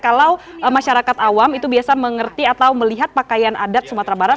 kalau masyarakat awam itu biasa mengerti atau melihat pakaian adat sumatera barat